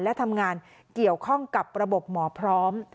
และทำงานเกี่ยวข้องกับระบบหมอพร้อม